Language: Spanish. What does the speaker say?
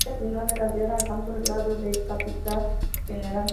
Casi al final de la guerra alcanzó el grado de capitán general.